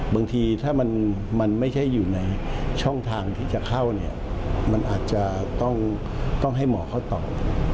บางทีถ้ามันไม่ใช่อยู่ในช่องทางที่จะเข้าเนี่ยมันอาจจะต้องให้หมอเขาตอบ